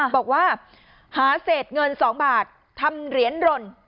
บอกว่าหาเศษเงิน๒บาททำเหรียญหล่น